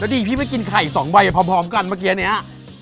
เดี๋ยวดีพี่ไปกินไข่สองวัยพร้อมก่อนเมื่อกี้อันเนี้ย